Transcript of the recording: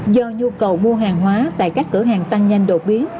do nhu cầu mua hàng hóa tại các cửa hàng tăng nhanh đột biến